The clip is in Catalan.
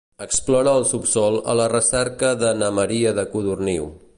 Explora el subsòl a la recerca de na Maria de Codorniu.